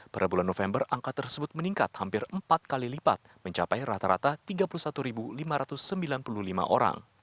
pada bulan november angka tersebut meningkat hampir empat kali lipat mencapai rata rata tiga puluh satu lima ratus sembilan puluh lima orang